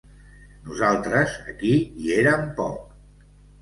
Nosaltres aquí hi érem poc.